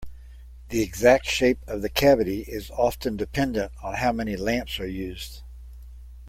The exact shape of the cavity is often dependent on how many lamps are used.